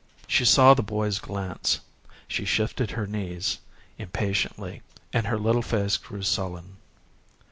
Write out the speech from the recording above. She saw the boy's glance, she shifted her knees impatiently and her little face grew sullen.